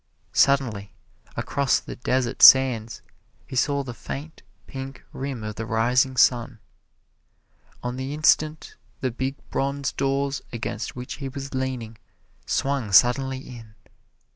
Suddenly across the desert sands he saw the faint pink rim of the rising sun. On the instant the big bronze doors against which he was leaning swung suddenly in.